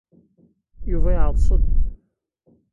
Yuba yeɛḍes-d.